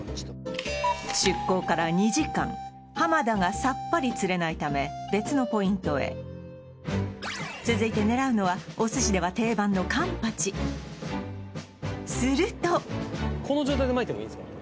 出航から２時間田がさっぱり釣れないため別のポイントへ続いて狙うのはお寿司では定番のこの状態で巻いてもいいんですか？